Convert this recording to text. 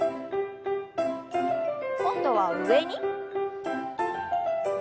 今度は上に。